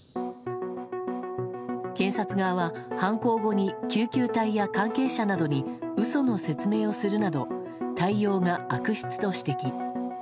検察側は、犯行後に救急隊や関係者などに嘘の説明をするなど態様が悪質と指摘。